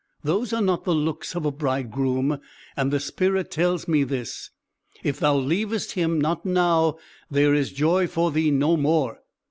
Those are not the looks of a bridegroom, and the spirit tells me this. If thou leavest him not now, there is joy for thee no more."